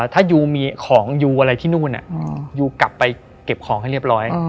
ถ้ายูมีของยูอะไรที่นู่นยูกลับไปเก็บของให้เรียบร้อย